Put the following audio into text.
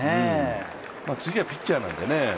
次はピッチャーなんでね。